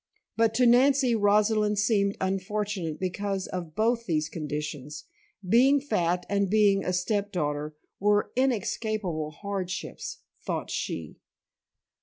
But to Nancy, Rosalind seemed unfortunate because of both these conditions; being fat and being a step daughter were inescapable hardships, thought she.